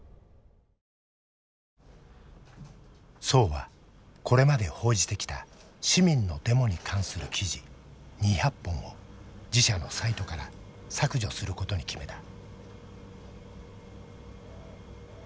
曽はこれまで報じてきた市民のデモに関する記事２００本を自社のサイトから削除することに決めた。